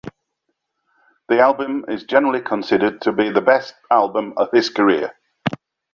The album is generally considered the best album of his career.